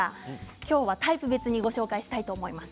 今日はタイプ別にご紹介したいと思います。